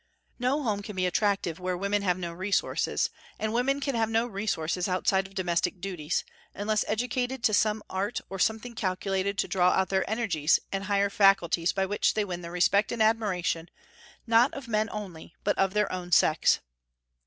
No home can be attractive where women have no resources; and women can have no resources outside of domestic duties, unless educated to some art or something calculated to draw out their energies and higher faculties by which they win the respect and admiration, not of men only, but of their own sex.